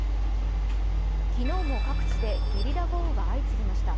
昨日も各地でゲリラ豪雨が相次ぎました。